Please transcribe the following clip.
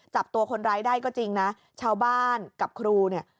จับตัวคนร้ายได้ก็จริงนะชาวบ้านกับครูเนี่ย